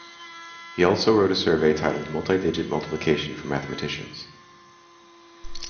He also wrote a survey titled "Multidigit multiplication for mathematicians".